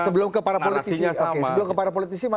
sebelum ke para politisi